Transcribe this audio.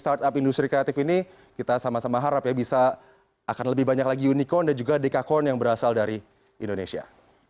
startup industri kreatif ini kita sama sama harap ya bisa akan lebih banyak lagi unicorn dan juga dekacorn yang berasal dari indonesia